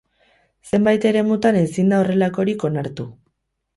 Zenbait eremutan ezin da horrelakorik onartu.